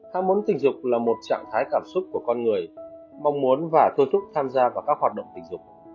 ham muốn tình dục là một trạng thái cảm xúc của con người mong muốn và tôi thúc tham gia vào các hoạt động tình dục